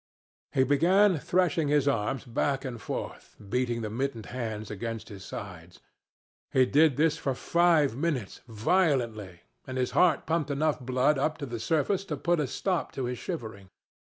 He began threshing his arms back and forth, beating the mittened hands against his sides. He did this for five minutes, violently, and his heart pumped enough blood up to the surface to put a stop to his shivering.